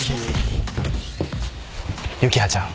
幸葉ちゃん